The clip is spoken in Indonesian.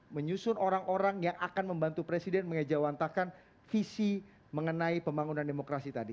menyusun orang orang yang akan membantu presiden mengejawantakan visi mengenai pembangunan demokrasi tadi